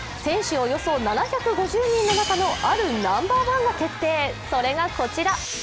およそ７５０人の中のあるナンバーワンが決定、それがこちら。